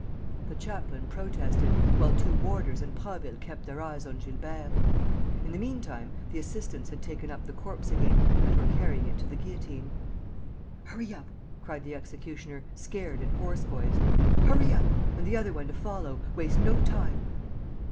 The chaplain protested, while two warders and Prasville kept their eyes on Gilbert. In the meantime, the assistants had taken up the corpse again and were carrying it to the guillotine. "Hurry up!" cried the executioner, scared and hoarse voiced. "Hurry up!... And the other one to follow.... Waste no time...."